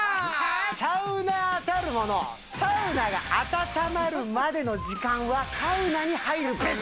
サウナーたるもの、サウナが温まるまでの時間はサウナに入るべし。